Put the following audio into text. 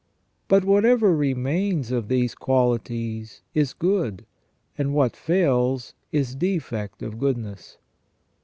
But whatever remains of these qualities is good, and what fails is defect of goodness.